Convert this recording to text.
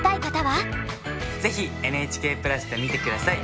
ぜひＮＨＫプラスで見て下さい！